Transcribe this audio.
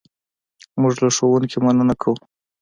موږ له ښوونکي څخه مننه کوو.